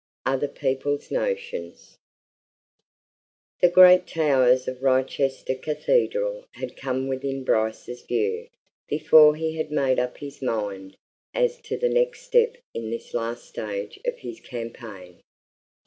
OTHER PEOPLE'S NOTIONS The great towers of Wrychester Cathedral had come within Bryce's view before he had made up his mind as to the next step in this last stage of his campaign.